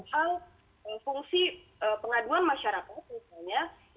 hal fungsi pengaduan masyarakat